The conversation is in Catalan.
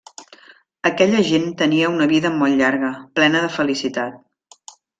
Aquella gent tenia una vida molt llarga, plena de felicitat.